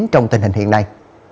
trong tình hình hiện nay